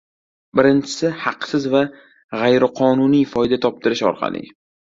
Birinchisi — haqsiz va g‘ayriqonuniy foyda topdirish orqali